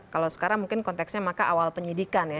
kalau sekarang mungkin konteksnya maka awal penyidikan ya